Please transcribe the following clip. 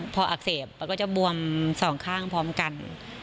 พออักเสบมันก็จะบวมสองข้างพร้อมกัน